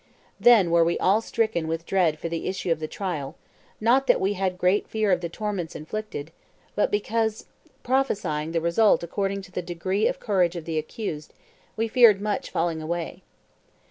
Then were we all stricken with dread for the issue of the trial: not that we had great fear of the torments inflicted, but because, prophesying the result according to the degree of courage of the accused, we feared much falling away.